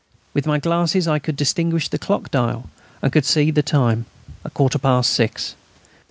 With my glasses I could distinguish the clock dial, and could see the time a quarter past six.